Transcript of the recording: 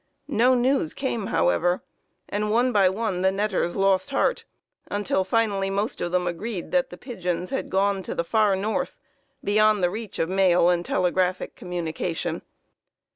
No news came, however, and one by one the netters lost heart, until finally most of them agreed that the pigeons had gone to the far north, beyond the reach of mail and telegraphic communication.